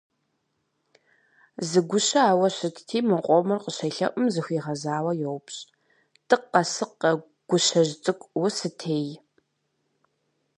Зы гущэ ауэ щытти мо къомыр къыщелъэӏум, зыхуигъэзауэ йоупщӏ: «Тӏыкъэ сыкъэ, гущэжь цӏыкӏу, усытей?».